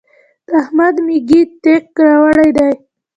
د احمد مېږي تېک راوړی دی.